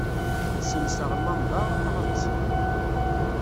Ssenseɣ llamba, ruḥeɣ ad ṭṭseɣ.